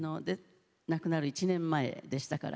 亡くなる１年前でしたから。